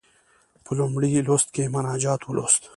په لومړي لوست کې مناجات ولوست.